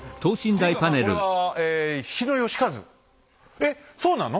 えっそうなの？